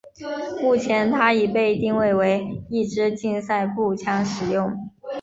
目前它已被定位为一枝竞赛步枪使用。